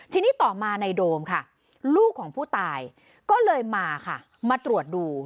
ทีนี้ต่อมาในโดมค่ะลูกของผู้ตายก็เลยมาค่ะมาตรวจดู